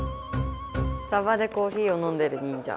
スタバでコーヒーを飲んでる忍者。